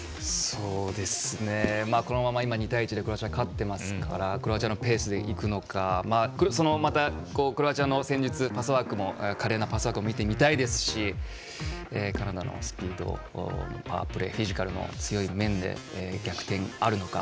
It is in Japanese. このまま２対１でクロアチア勝っていますからクロアチアのペースでいくのかまたクロアチアの戦術華麗なパスワークも見てみたいですしカナダのスピードフィジカルの強い面で逆転あるのか。